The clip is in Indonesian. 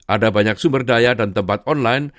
ada banyak sumber daya dan tempat online